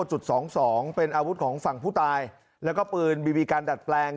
จุดสองสองเป็นอาวุธของฝั่งผู้ตายแล้วก็ปืนบีบีกันดัดแปลง